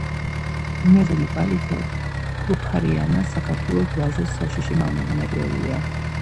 იმერული ბალიშა ცრუფარიანა საქართველოს ვაზის საშიში მავნებელია.